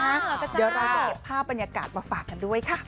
เดี๋ยวเราจะเก็บภาพบรรยากาศมาฝากกันด้วยค่ะ